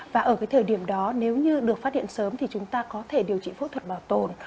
và ở cái thời điểm đó nếu như được phát hiện sớm thì chúng ta có thể điều trị phẫu thuật bảo tồn